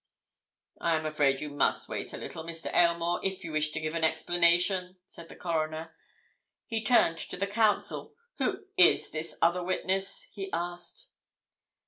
"I am afraid you must wait a little, Mr. Aylmore, if you wish to give an explanation," said the Coroner. He turned to the Counsel. "Who is this other witness?" he asked.